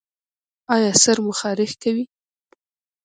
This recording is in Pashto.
ایا سر مو خارښ کوي؟